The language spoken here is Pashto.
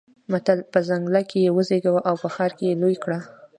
متل: په ځنګله کې يې وزېږوه او په ښار کې يې لوی کړه.